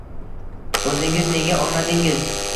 O'zingiz nega olmadingiz